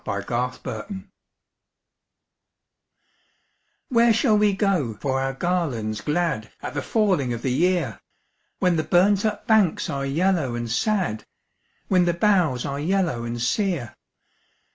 A Song of Autumn "Where shall we go for our garlands glad At the falling of the year, When the burnt up banks are yellow and sad, When the boughs are yellow and sere?